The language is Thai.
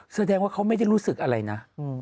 แสดงว่าเขาไม่ได้รู้สึกอะไรนะ